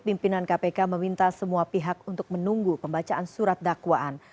pimpinan kpk meminta semua pihak untuk menunggu pembacaan surat dakwaan